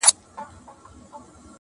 بوچ د اختري خلاص دئ.